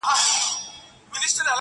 زه چي ماشوم وم په مالت کي به هرچا ویله -